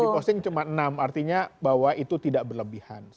di posting cuma enam artinya bahwa itu tidak berlebihan